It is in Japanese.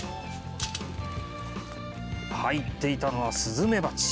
入っていたのはスズメバチ。